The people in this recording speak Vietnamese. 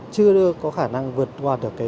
chưa có khả năng vượt hoạt được